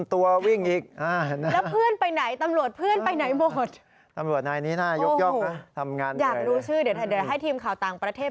เตอร์นายทางนี้ร่ายยกนะทำงานดูชื่อเดี๋ยวให้ทีมข่าวต่างประเทศ